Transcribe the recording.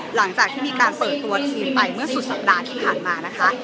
หลังจากที่มีการเปิดตัวทีมไปเมื่อสุดสัปดาห์ที่ผ่านมานะคะ